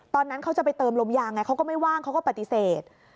ตอนนั้นเขาจะไปเติมลมยางไงเขาก็ไม่ว่างเขาก็ปฏิเสธ